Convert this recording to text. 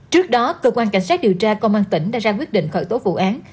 trước đó cơ quan cảnh sát điều tra công an tỉnh đã ra quyết định khởi tố vụ án